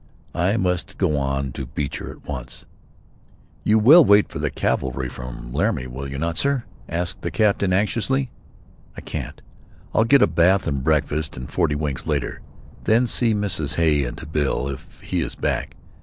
I must go on to Beecher at once." "You will wait for the cavalry from Laramie, will you not, sir?" asked the captain, anxiously. "I can't. I'll get a bath and breakfast and forty winks later; then see Mrs. Hay and Bill, if he is back.